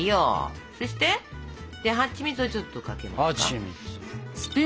そしてはちみつをちょっとかけますか？